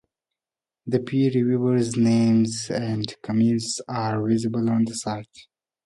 The peer reviewer's names and comments are visible on the site.